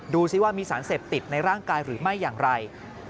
ดูสิว่ามีสารเสพติดในร่างกายหรือไม่อย่างไร